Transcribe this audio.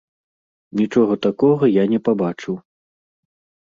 Нічога такога я не пабачыў.